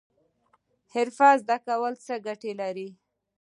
حرفه زده کول څه ګټه لري؟